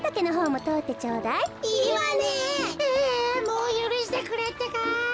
もうゆるしてくれってか。